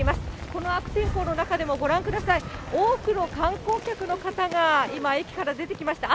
この悪天候の中でもご覧ください、多くの観光客の方が今、駅から出てきました。